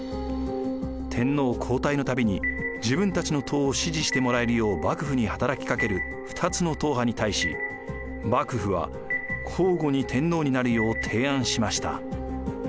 天皇交代の度に自分たちの統を支持してもらえるよう幕府に働きかける二つの統派に対し幕府は交互に天皇になるよう提案しました。